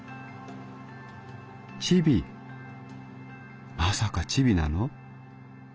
『チビ・・まさかチビなの？』